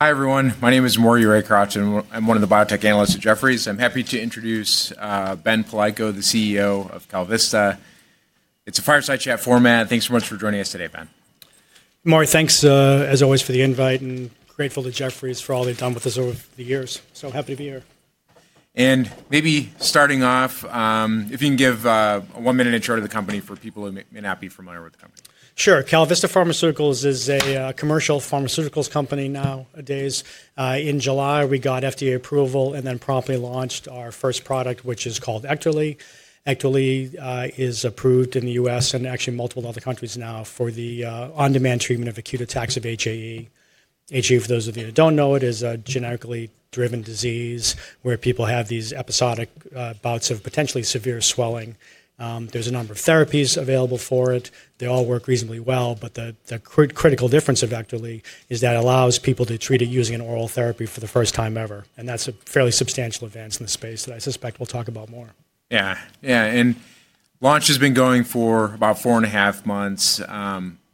Hi, everyone. My name is Maury Raycroft. I'm one of the biotech analysts at Jefferies. I'm happy to introduce Ben Palleiko, the CEO of KalVista. It's a fireside chat format. Thanks so much for joining us today, Ben. Maury, thanks as always for the invite, and grateful to Jefferies for all they've done with us over the years. Happy to be here. Maybe starting off, if you can give one minute intro to the company for people who may not be familiar with the company. Sure. KalVista Pharmaceuticals is a commercial pharmaceuticals company nowadays. In July, we got FDA approval and then promptly launched our first product, which is called EKTERLY. EKTERLYis approved in the U.S. and actually multiple other countries now for the on-demand treatment of acute attacks of HAE. HAE, for those of you who don't know, it is a genetically driven disease where people have these episodic bouts of potentially severe swelling. There's a number of therapies available for it. They all work reasonably well, but the critical difference of EKTERLY is that it allows people to treat it using an oral therapy for the first time ever. That's a fairly substantial advance in the space that I suspect we'll talk about more. Yeah, yeah. Launch has been going for about four and a half months.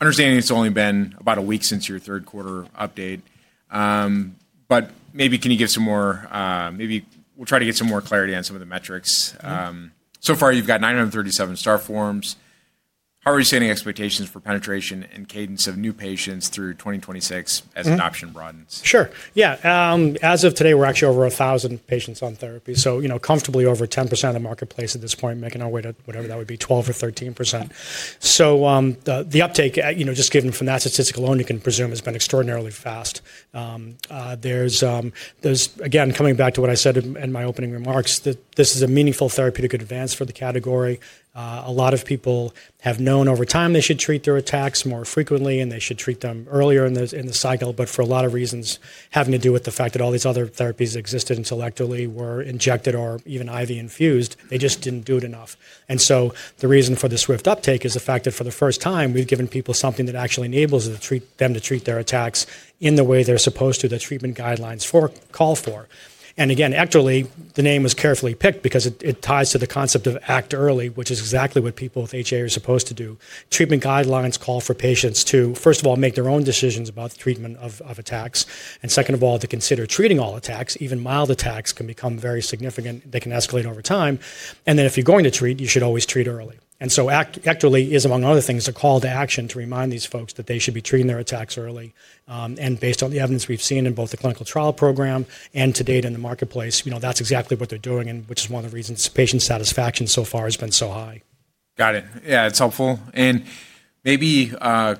Understanding it's only been about a week since your third quarter update. Maybe can you give some more, maybe we'll try to get some more clarity on some of the metrics. So far, you've got 937 star forms. How are you setting expectations for penetration and cadence of new patients through 2026 as adoption broadens? Sure. Yeah. As of today, we're actually over 1,000 patients on therapy. You know, comfortably over 10% of the marketplace at this point, making our way to whatever that would be, 12% or 13%. The uptake, you know, just given from that statistic alone, you can presume has been extraordinarily fast. There's, again, coming back to what I said in my opening remarks, that this is a meaningful therapeutic advance for the category. A lot of people have known over time they should treat their attacks more frequently, and they should treat them earlier in the cycle. For a lot of reasons, having to do with the fact that all these other therapies existed until EKTERLY were injected or even IV infused, they just didn't do it enough. The reason for the swift uptake is the fact that for the first time, we've given people something that actually enables them to treat their attacks in the way they're supposed to, the treatment guidelines call for. Again, EKTERLY, the name was carefully picked because it ties to the concept of act early, which is exactly what people with HAE are supposed to do. Treatment guidelines call for patients to, first of all, make their own decisions about the treatment of attacks. Second of all, to consider treating all attacks. Even mild attacks can become very significant. They can escalate over time. If you're going to treat, you should always treat early. EKTERLY is, among other things, a call to action to remind these folks that they should be treating their attacks early. Based on the evidence we've seen in both the clinical trial program and to date in the marketplace, you know, that's exactly what they're doing, which is one of the reasons patient satisfaction so far has been so high. Got it. Yeah, it's helpful. Maybe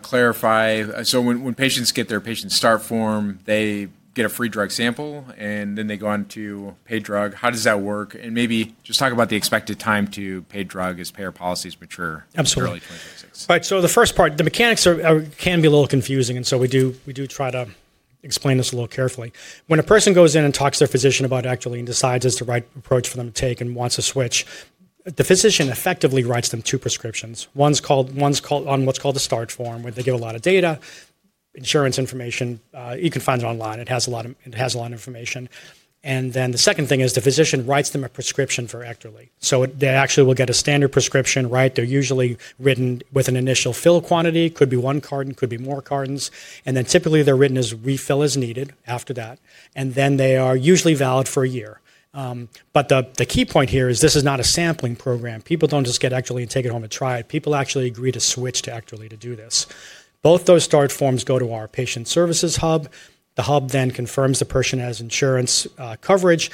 clarify, so when patients get their patient start form, they get a free drug sample, and then they go on to pay drug. How does that work? Maybe just talk about the expected time to pay drug as payer policies mature in early 2026. Absolutely. Right. The first part, the mechanics can be a little confusing. We do try to explain this a little carefully. When a person goes in and talks to their physician about EKTERLY and decides it's the right approach for them to take and wants to switch, the physician effectively writes them two prescriptions. One's called on what's called a start form, where they get a lot of data, insurance information. You can find it online. It has a lot of information. The second thing is the physician writes them a prescription for EKTERLY. They actually will get a standard prescription, right? They're usually written with an initial fill quantity. Could be one carton, could be more cartons. Typically they're written as refill as needed after that. They are usually valid for a year. The key point here is this is not a sampling program. People do not just get EKTERLY and take it home and try it. People actually agree to switch to EKTERLY to do this. Both those start forms go to our patient services hub. The hub then confirms the person has insurance coverage.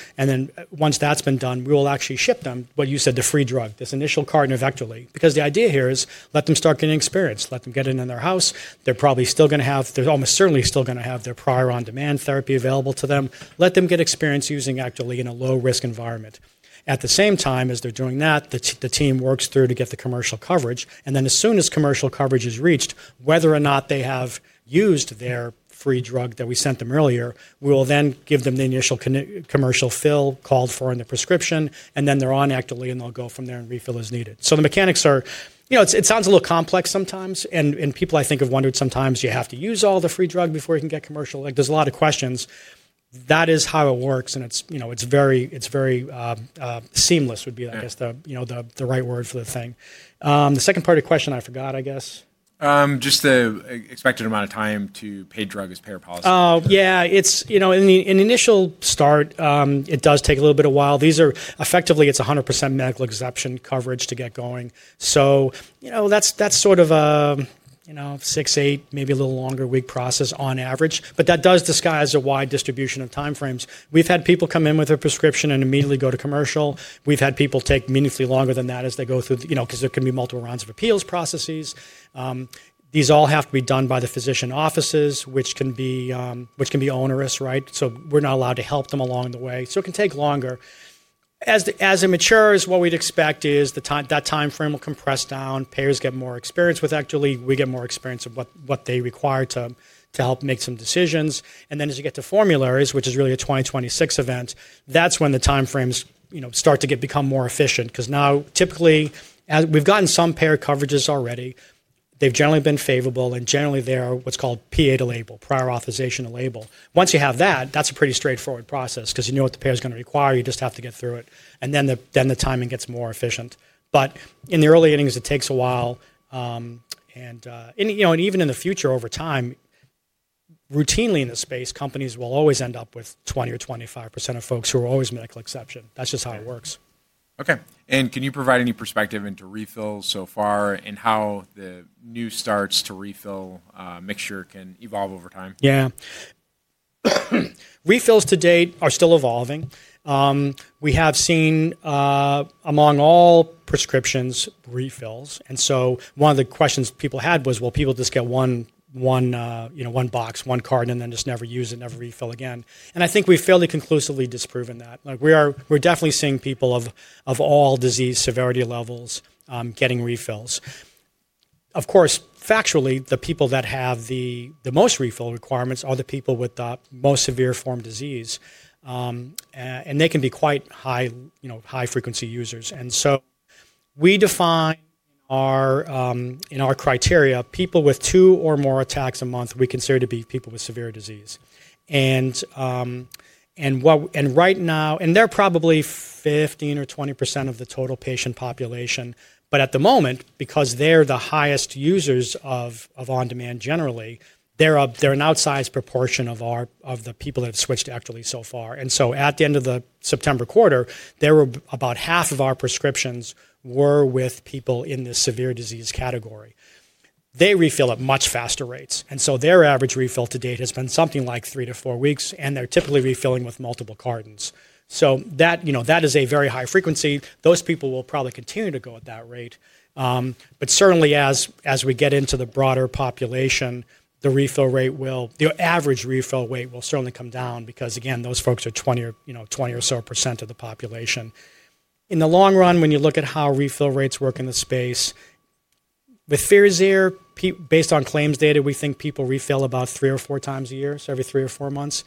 Once that has been done, we will actually ship them, what you said, the free drug, this initial carton of EKTERLY. The idea here is let them start getting experience. Let them get it in their house. They are probably still going to have—they are almost certainly still going to have their prior on-demand therapy available to them. Let them get experience using Ekterly in a low-risk environment. At the same time as they are doing that, the team works through to get the commercial coverage. As soon as commercial coverage is reached, whether or not they have used their free drug that we sent them earlier, we will then give them the initial commercial fill called for in the prescription. They are on Ekterly, and they will go from there and refill as needed. The mechanics are, it sounds a little complex sometimes. People, I think, have wondered sometimes, do you have to use all the free drug before you can get commercial? There are a lot of questions. That is how it works. It is very seamless, would be, I guess, the right word for the thing. The second part of your question, I forgot, I guess. Just the expected amount of time to pay drug as payer policy. Oh, yeah. You know, in initial start, it does take a little bit of while. These are effectively, it's 100% medical exception coverage to get going. You know, that's sort of a six-eight, maybe a little longer week process on average. That does disguise a wide distribution of time frames. We've had people come in with a prescription and immediately go to commercial. We've had people take meaningfully longer than that as they go through, you know, because there can be multiple rounds of appeals processes. These all have to be done by the physician offices, which can be onerous, right? We're not allowed to help them along the way. It can take longer. As it matures, what we'd expect is that time frame will compress down. Payers get more experience with EKTERLY we get more experience of what they require to help make some decisions. As you get to formularies, which is really a 2026 event, that's when the time frames start to become more efficient. Because now, typically, we've gotten some payer coverages already. They've generally been favorable. Generally, they're what's called PA to label, prior authorization to label. Once you have that, that's a pretty straightforward process because you know what the payer is going to require. You just have to get through it. The timing gets more efficient. In the early innings, it takes a while. Even in the future, over time, routinely in this space, companies will always end up with 20%-25% of folks who are always medical exception. That's just how it works. Okay. Can you provide any perspective into refills so far and how the new starts to refill mixture can evolve over time? Yeah. Refills to date are still evolving. We have seen, among all prescriptions, refills. One of the questions people had was, will people just get one box, one carton, and then just never use it, never refill again? I think we've fairly conclusively disproven that. We're definitely seeing people of all disease severity levels getting refills. Of course, factually, the people that have the most refill requirements are the people with the most severe form disease. They can be quite high-frequency users. We define in our criteria, people with two or more attacks a month, we consider to be people with severe disease. Right now, they're probably 15%-20% of the total patient population. At the moment, because they're the highest users of on-demand generally, they're an outsized proportion of the people that have switched to EKTERLY so far. At the end of the September quarter, about half of our prescriptions were with people in the severe disease category. They refill at much faster rates. Their average refill to date has been something like three to four weeks. They are typically refilling with multiple cartons. That is a very high frequency. Those people will probably continue to go at that rate. Certainly, as we get into the broader population, the average refill rate will certainly come down because, again, those folks are 20% or so of the population. In the long run, when you look at how refill rates work in the space, with Firazyr, based on claims data, we think people refill about three or four times a year, so every three or four months.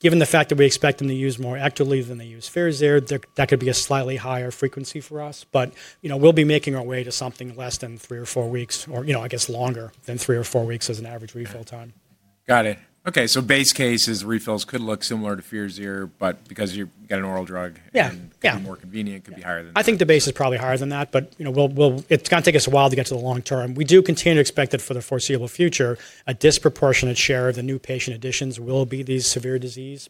Given the fact that we expect them to use more EKTERLY than they use Firazyr, that could be a slightly higher frequency for us. We'll be making our way to something less than three or four weeks, or I guess longer than three or four weeks as an average refill time. Got it. Okay. Base case is refills could look similar to Firazyr, but because you've got an oral drug, it could be more convenient, could be higher than that. I think the base is probably higher than that. It is going to take us a while to get to the long term. We do continue to expect that for the foreseeable future, a disproportionate share of the new patient additions will be these severe disease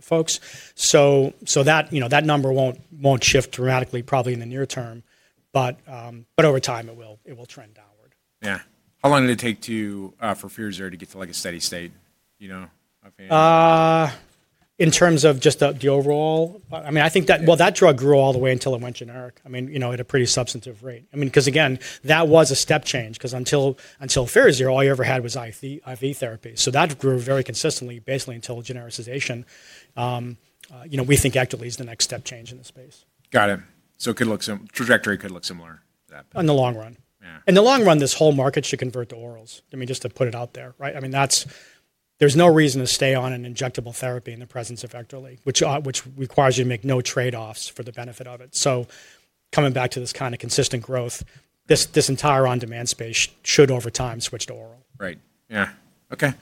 folks. That number will not shift dramatically, probably in the near term. Over time, it will trend downward. Yeah. How long did it take for Firazyr to get to like a steady state? In terms of just the overall? I mean, I think that, well, that drug grew all the way until it went generic. I mean, you know, at a pretty substantive rate. I mean, because again, that was a step change. Because until Firazyr, all you ever had was IV therapy. So that grew very consistently, basically until genericization. We think EKTERLY is the next step change in the space. Got it. Trajectory could look similar to that. In the long run, this whole market should convert to orals. I mean, just to put it out there, right? I mean, there's no reason to stay on an injectable therapy in the presence of EKTERLY, which requires you to make no trade-offs for the benefit of it. Coming back to this kind of consistent growth, this entire on-demand space should, over time, switch to oral. Right. Yeah. Okay.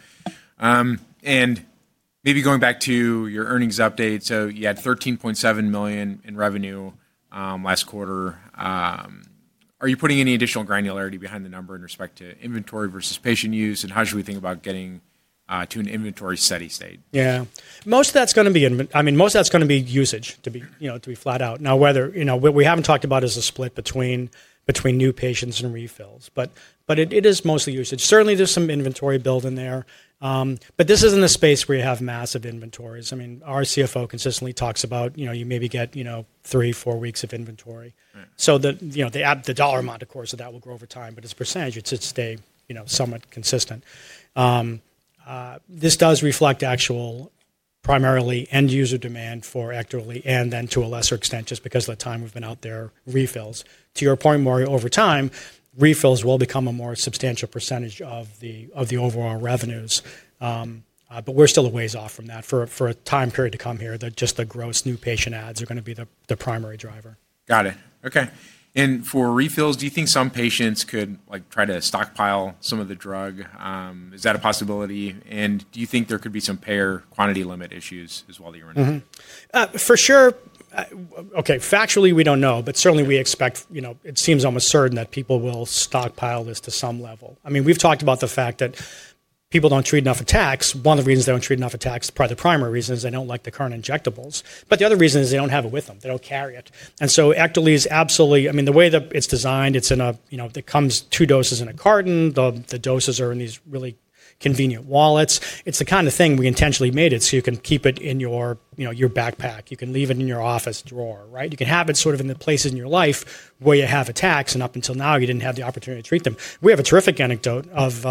Maybe going back to your earnings update. You had $13.7 million in revenue last quarter. Are you putting any additional granularity behind the number in respect to inventory versus patient use? How should we think about getting to an inventory steady state? Yeah. Most of that's going to be, I mean, most of that's going to be usage, to be flat out. Now, we haven't talked about it as a split between new patients and refills. It is mostly usage. Certainly, there's some inventory build in there. This isn't a space where you have massive inventories. I mean, our CFO consistently talks about you maybe get three, four weeks of inventory. The dollar amount, of course, of that will grow over time. As a percentage, it should stay somewhat consistent. This does reflect actual, primarily end user demand for EKTERLY, and then to a lesser extent, just because of the time we've been out there, refills. To your point, Maury, over time, refills will become a more substantial percentage of the overall revenues. We're still a ways off from that for a time period to come here that just the gross new patient adds are going to be the primary driver. Got it. Okay. For refills, do you think some patients could try to stockpile some of the drug? Is that a possibility? Do you think there could be some payer quantity limit issues as well that you're in? For sure. Okay. Factually, we don't know. Certainly, we expect, it seems almost certain that people will stockpile this to some level. I mean, we've talked about the fact that people don't treat enough attacks. One of the reasons they don't treat enough attacks, probably the primary reason, is they don't like the current injectables. The other reason is they don't have it with them. They don't carry it. EKTERLY is absolutely, I mean, the way that it's designed, it's in a—they come two doses in a carton. The doses are in these really convenient wallets. It's the kind of thing we intentionally made it so you can keep it in your backpack. You can leave it in your office drawer, right? You can have it sort of in the places in your life where you have attacks. Up until now, you didn't have the opportunity to treat them. We have a terrific anecdote of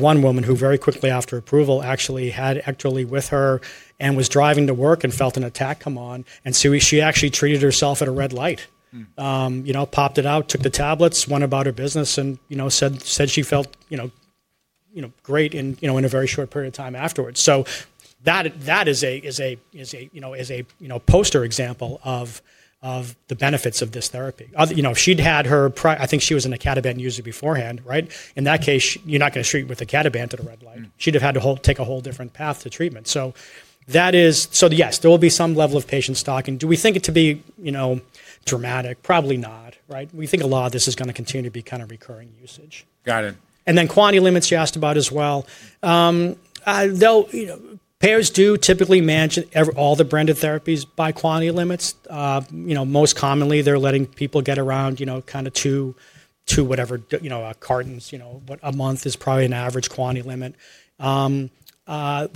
one woman who, very quickly after approval, actually had EKTERLY with her and was driving to work and felt an attack come on. She actually treated herself at a red light. Popped it out, took the tablets, went about her business, and said she felt great in a very short period of time afterwards. That is a poster example of the benefits of this therapy. If she'd had her—I think she was a icatibant user beforehand, right? In that case, you're not going to treat with icatibant at a red light. She'd have had to take a whole different path to treatment. Yes, there will be some level of patient stocking. Do we think it to be dramatic? Probably not, right? We think a lot of this is going to continue to be kind of recurring usage. Got it. Quantity limits you asked about as well. Payers do typically manage all the branded therapies by quantity limits. Most commonly, they're letting people get around two whatever cartons. A month is probably an average quantity limit. We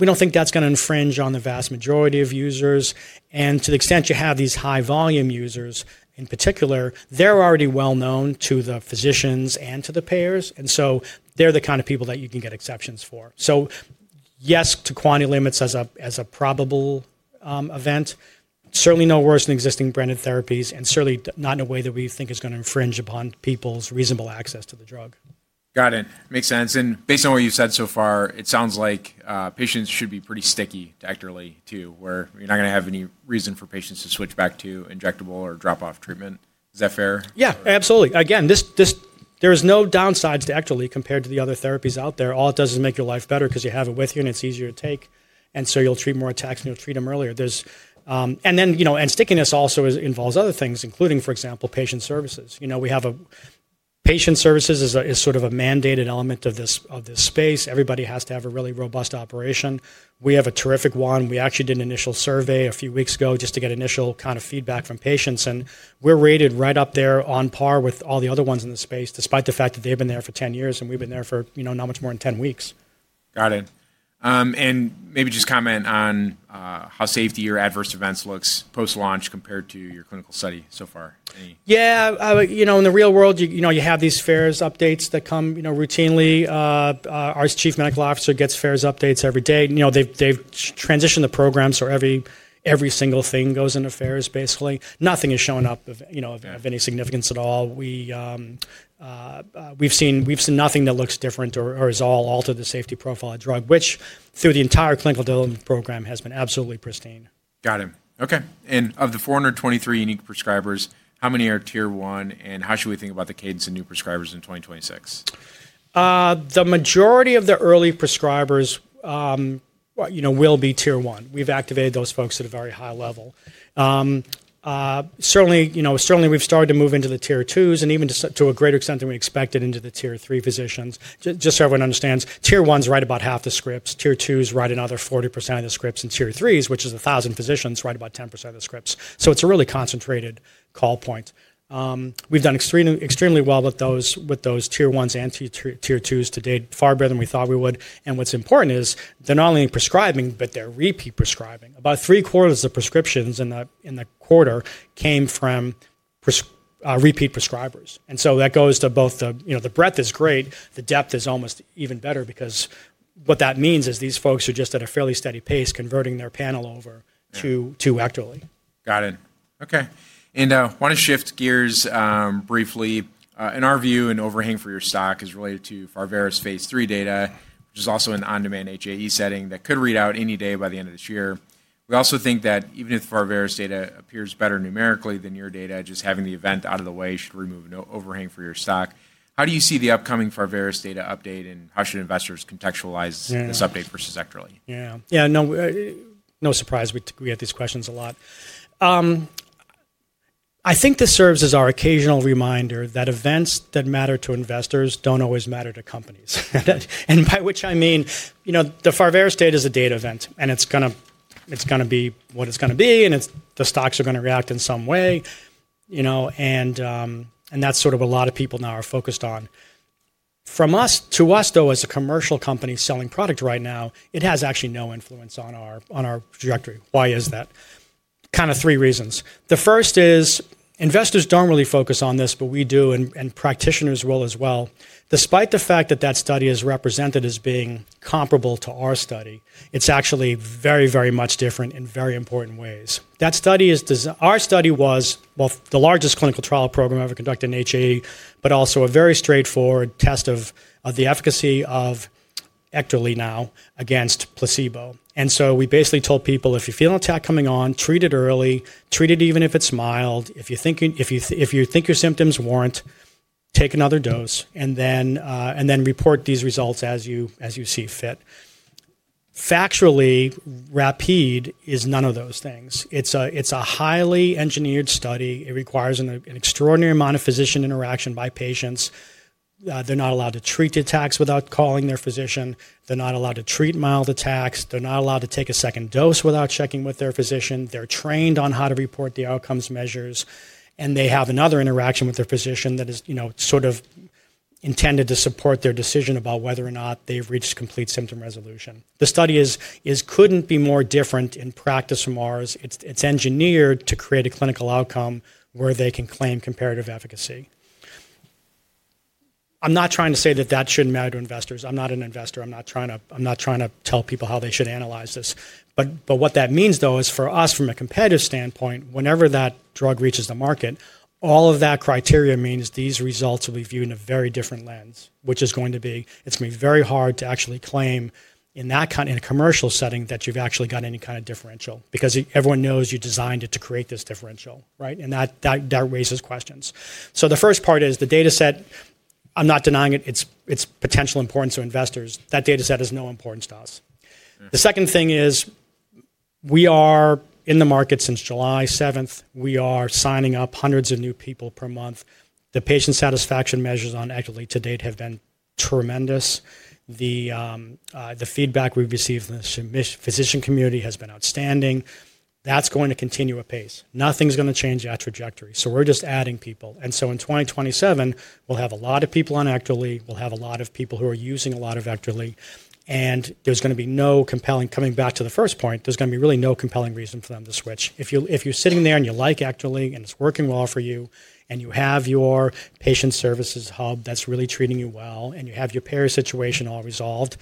don't think that's going to infringe on the vast majority of users. To the extent you have these high volume users, in particular, they're already well known to the physicians and to the payers. They're the kind of people that you can get exceptions for. Yes to quantity limits as a probable event. Certainly no worse than existing branded therapies. Certainly not in a way that we think is going to infringe upon people's reasonable access to the drug. Got it. Makes sense. Based on what you've said so far, it sounds like patients should be pretty sticky to EKTERLY, too, where you're not going to have any reason for patients to switch back to injectable or drop-off treatment. Is that fair? Yeah, absolutely. Again, there are no downsides to EKTERLY compared to the other therapies out there. All it does is make your life better because you have it with you and it's easier to take. You will treat more attacks and you will treat them earlier. Stickiness also involves other things, including, for example, patient services. We have a patient services is sort of a mandated element of this space. Everybody has to have a really robust operation. We have a terrific one. We actually did an initial survey a few weeks ago just to get initial kind of feedback from patients. We are rated right up there on par with all the other ones in the space, despite the fact that they have been there for 10 years and we have been there for not much more than 10 weeks. Got it. Maybe just comment on how safety or adverse events looks post-launch compared to your clinical study so far. Yeah. In the real world, you have these Firazyr updates that come routinely. Our Chief Medical Officer gets Firazyr updates every day. They've transitioned the program so every single thing goes into Firazyr, basically. Nothing is showing up of any significance at all. We've seen nothing that looks different or has at all altered the safety profile of drug, which through the entire clinical development program has been absolutely pristine. Got it. Okay. Of the 423 unique prescribers, how many are Tier 1? How should we think about the cadence of new prescribers in 2026? The majority of the early prescribers will be Tier 1. We've activated those folks at a very high level. Certainly, we've started to move into the Tier 2 and even to a greater extent than we expected into the Tier 3 physicians. Just so everyone understands, Tier 1s write about half the scripts. Tier 2 write another 40% of the scripts. And Tier 3, which is 1,000 physicians, write about 10% of the scripts. It is a really concentrated call point. We've done extremely well with those tier ones and tier twos to date, far better than we thought we would. What's important is they're not only prescribing, but they're repeat prescribing. About three quarters of the prescriptions in the quarter came from repeat prescribers. That goes to both the breadth is great. The depth is almost even better because what that means is these folks are just at a fairly steady pace converting their panel over to EKTERLY. Got it. Okay. I want to shift gears briefly. In our view, an overhang for your stock is related to Pharvaris' phase three data, which is also an on-demand HAE setting that could read out any day by the end of this year. We also think that even if Pharvaris' data appears better numerically than your data, just having the event out of the way should remove an overhang for your stock. How do you see the upcoming Pharvaris' data update and how should investors contextualize this update versus EKTERLY? Yeah. No surprise. We get these questions a lot. I think this serves as our occasional reminder that events that matter to investors do not always matter to companies. By which I mean, the Pharvaris data is a data event. It is going to be what it is going to be. The stocks are going to react in some way. That is sort of what a lot of people now are focused on. To us, though, as a commercial company selling product right now, it has actually no influence on our trajectory. Why is that? Kind of three reasons. The first is investors do not really focus on this, but we do and practitioners will as well. Despite the fact that that study is represented as being comparable to our study, it is actually very, very much different in very important ways. Our study was, well, the largest clinical trial program ever conducted in HAE, but also a very straightforward test of the efficacy of EKTERLY now against placebo. We basically told people, if you feel an attack coming on, treat it early. Treat it even if it's mild. If you think your symptoms warrant, take another dose. Then report these results as you see fit. Factually, RAPID is none of those things. It's a highly engineered study. It requires an extraordinary amount of physician interaction by patients. They're not allowed to treat attacks without calling their physician. They're not allowed to treat mild attacks. They're not allowed to take a second dose without checking with their physician. They're trained on how to report the outcomes measures. They have another interaction with their physician that is sort of intended to support their decision about whether or not they've reached complete symptom resolution. The study could not be more different in practice from ours. It is engineered to create a clinical outcome where they can claim comparative efficacy. I am not trying to say that that should not matter to investors. I am not an investor. I am not trying to tell people how they should analyze this. What that means, though, is for us, from a competitive standpoint, whenever that drug reaches the market, all of that criteria means these results will be viewed in a very different lens, which is going to be very hard to actually claim in a commercial setting that you have actually got any kind of differential. Because everyone knows you designed it to create this differential, right? That raises questions. The first part is the data set. I'm not denying it. It's potential importance to investors. That data set has no importance to us. The second thing is we are in the market since July 7. We are signing up hundreds of new people per month. The patient satisfaction measures on EKTERLY to date have been tremendous. The feedback we've received from the physician community has been outstanding. That's going to continue apace. Nothing's going to change that trajectory. We're just adding people. In 2027, we'll have a lot of people on EKTERLY. We'll have a lot of people who are using a lot of EKTERLY. There's going to be no compelling, coming back to the first point, there's going to be really no compelling reason for them to switch. If you're sitting there and you like EKTERLY and it's working well for you and you have your patient services hub that's really treating you well and you have your payer situation all resolved,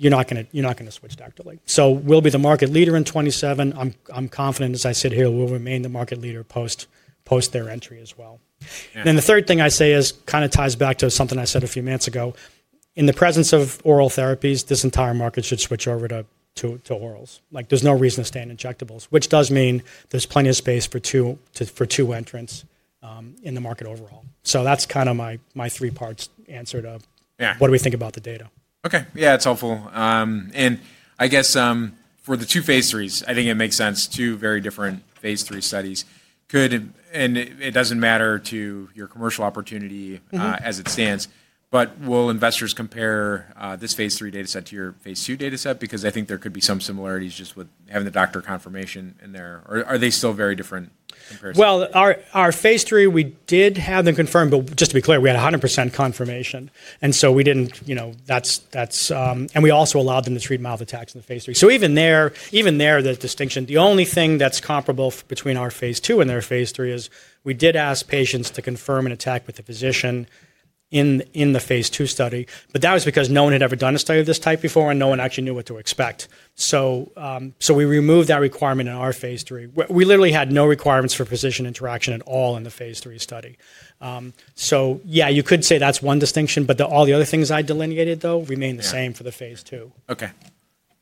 you're not going to switch to EKTERLY. We will be the market leader in 2027. I'm confident, as I sit here, we will remain the market leader post their entry as well. The third thing I say kind of ties back to something I said a few minutes ago. In the presence of oral therapies, this entire market should switch over to orals. There's no reason to stay in injectables, which does mean there's plenty of space for two entrants in the market overall. That's kind of my three parts answer to what do we think about the data. Okay. Yeah, it's helpful. I guess for the two phase threes, I think it makes sense. Two very different phase three studies. It doesn't matter to your commercial opportunity as it stands. Will investors compare this phase three data set to your phase two data set? I think there could be some similarities just with having the doctor confirmation in there. Are they still very different comparison? Our phase three, we did have them confirmed. But just to be clear, we had 100% confirmation. And we also allowed them to treat mild attacks in the phase three. Even there, the distinction, the only thing that's comparable between our phase two and their phase three is we did ask patients to confirm an attack with the physician in the phase two study. That was because no one had ever done a study of this type before and no one actually knew what to expect. We removed that requirement in our phase three. We literally had no requirements for physician interaction at all in the phase three study. You could say that's one distinction. All the other things I delineated, though, remain the same for the phase two. Okay.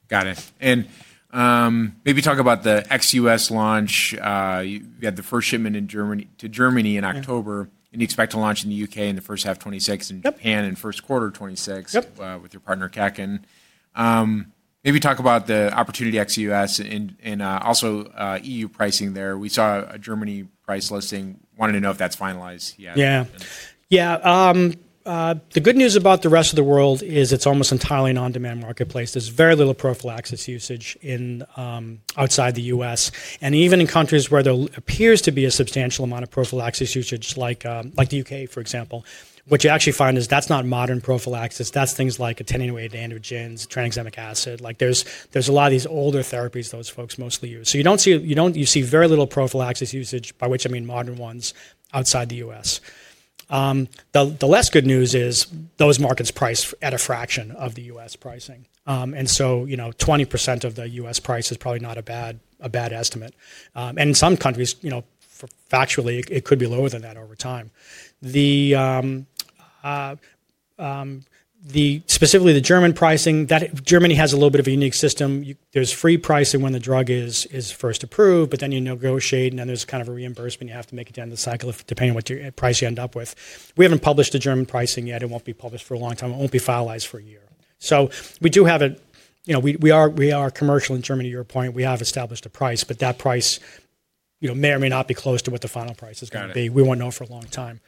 Got it. Maybe talk about the XUS launch. You had the first shipment to Germany in October. You expect to launch in the U.K. in the first half of 2026 and Japan in the first quarter of 2026 with your partner, Kaken. Maybe talk about the opportunity XUS and also EU pricing there. We saw a Germany price listing. Wanted to know if that's finalized. Yeah. The good news about the rest of the world is it's almost entirely an on-demand marketplace. There's very little prophylaxis usage outside the U.S. Even in countries where there appears to be a substantial amount of prophylaxis usage, like the U.K., for example, what you actually find is that's not modern prophylaxis. That's things like attenuated androgens, tranexamic acid. There's a lot of these older therapies those folks mostly use. You see very little prophylaxis usage, by which I mean modern ones, outside the U.S. The less good news is those markets priced at a fraction of the U.S. pricing. 20% of the U.S. price is probably not a bad estimate. In some countries, factually, it could be lower than that over time. Specifically, the German pricing, Germany has a little bit of a unique system. There's free pricing when the drug is first approved, but then you negotiate. Then there's kind of a reimbursement. You have to make it down the cycle depending on what price you end up with. We haven't published the German pricing yet. It won't be published for a long time. It won't be finalized for a year. We are commercial in Germany, to your point. We have established a price. That price may or may not be close to what the final price is going to be. We won't know for a long time.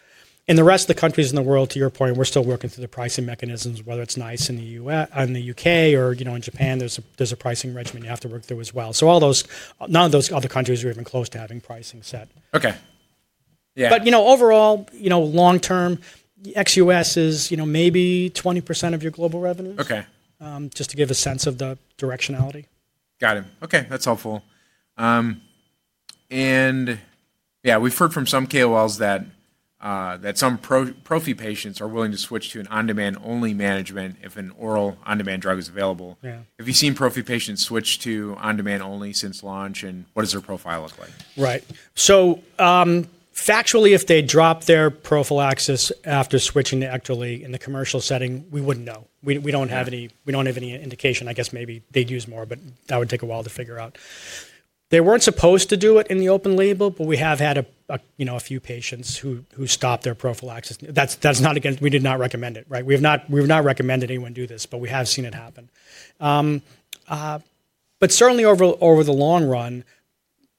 In the rest of the countries in the world, to your point, we're still working through the pricing mechanisms, whether it's NICE in the U.K. or in Japan. There's a pricing regimen you have to work through as well. None of those other countries are even close to having pricing set. Okay. Yeah. Overall, long-term, XUS is maybe 20% of your global revenue, just to give a sense of the directionality. Got it. Okay. That's helpful. Yeah, we've heard from some KOLs that some Prophy patients are willing to switch to an on-demand-only management if an oral on-demand drug is available. Have you seen Prophy patients switch to on-demand-only since launch? What does their profile look like? Right. So factually, if they drop their prophylaxis after switching to EKTERLY in the commercial setting, we wouldn't know. We don't have any indication. I guess maybe they'd use more, but that would take a while to figure out. They weren't supposed to do it in the open label, but we have had a few patients who stopped their prophylaxis. That's not against—we did not recommend it, right? We have not recommended anyone do this, but we have seen it happen. Certainly, over the long run,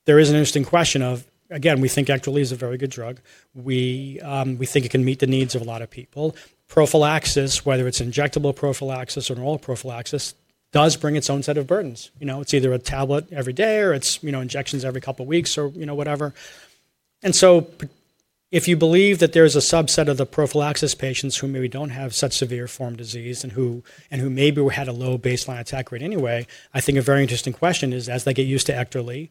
there is an interesting question of, again, we think EKTERLY is a very good drug. We think it can meet the needs of a lot of people. Prophylaxis, whether it's injectable prophylaxis or oral prophylaxis, does bring its own set of burdens. It's either a tablet every day or it's injections every couple of weeks or whatever. If you believe that there is a subset of the prophylaxis patients who maybe do not have such severe form disease and who maybe had a low baseline attack rate anyway, I think a very interesting question is, as they get used to EKTERLY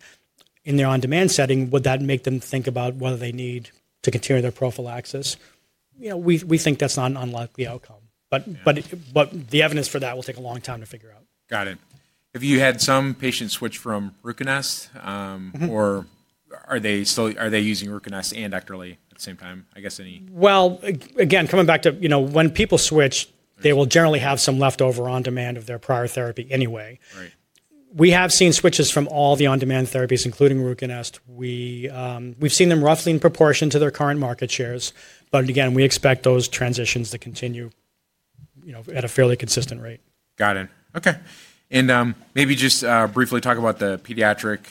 in their on-demand setting, would that make them think about whether they need to continue their prophylaxis? We think that is not an unlikely outcome. The evidence for that will take a long time to figure out. Got it. Have you had some patients switch from Ruconest or are they using Ruconest and EKTERLY at the same time? I guess any. Again, coming back to when people switch, they will generally have some leftover on-demand of their prior therapy anyway. We have seen switches from all the on-demand therapies, including Ruconest. We've seen them roughly in proportion to their current market shares. We expect those transitions to continue at a fairly consistent rate. Got it. Okay. Maybe just briefly talk about the pediatric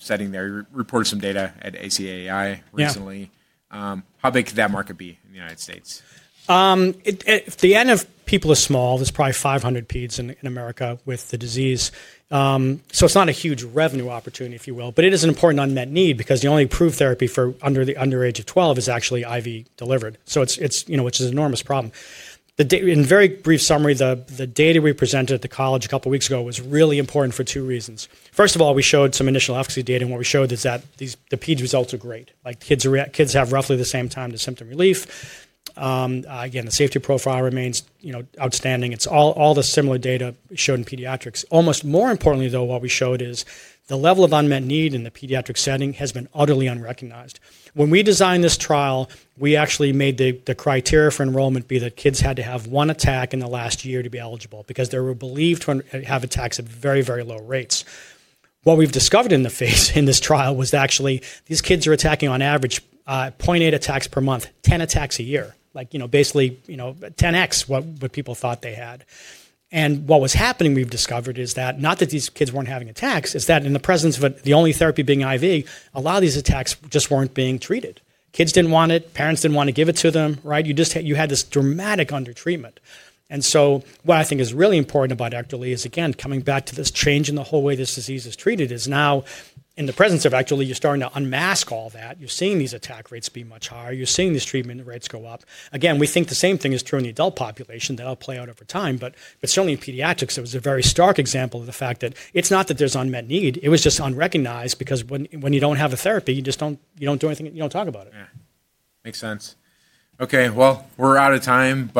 setting there. You reported some data at ACAI recently. How big could that market be in the United States? The NF people are small. There's probably 500 peds in America with the disease. So it's not a huge revenue opportunity, if you will. But it is an important unmet need because the only approved therapy under the age of 12 is actually IV delivered, which is an enormous problem. In very brief summary, the data we presented at the college a couple of weeks ago was really important for two reasons. First of all, we showed some initial efficacy data. And what we showed is that the peds results are great. Kids have roughly the same time to symptom relief. Again, the safety profile remains outstanding. It's all the similar data shown in pediatrics. Almost more importantly, though, what we showed is the level of unmet need in the pediatric setting has been utterly unrecognized. When we designed this trial, we actually made the criteria for enrollment be that kids had to have one attack in the last year to be eligible because they were believed to have attacks at very, very low rates. What we've discovered in this trial was actually these kids are attacking on average 0.8 attacks per month, 10 attacks a year, basically 10x what people thought they had. What was happening we've discovered is that not that these kids weren't having attacks, it's that in the presence of the only therapy being IV, a lot of these attacks just weren't being treated. Kids didn't want it. Parents didn't want to give it to them, right? You had this dramatic undertreatment. What I think is really important about EKTERLY is, again, coming back to this change in the whole way this disease is treated, is now in the presence of EKTERLY, you're starting to unmask all that. You're seeing these attack rates be much higher. You're seeing these treatment rates go up. Again, we think the same thing is true in the adult population that'll play out over time. Certainly in pediatrics, it was a very stark example of the fact that it's not that there's unmet need. It was just unrecognized because when you don't have a therapy, you don't do anything. You don't talk about it. Makes sense. Okay. We're out of time.